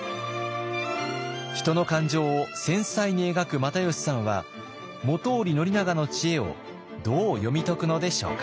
人の感情を繊細に描く又吉さんは本居宣長の知恵をどう読み解くのでしょうか？